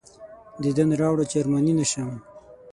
دیدن راوړه چې ارماني نه شم.